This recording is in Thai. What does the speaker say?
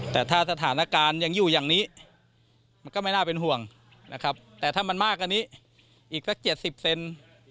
แต่ถ้าสถานการณ์ยังอยู่อย่างนี้มันก็ไม่น่าเป็นห่วงนะครับแต่ถ้ามันมากกว่านี้อีกสัก๗๐เซน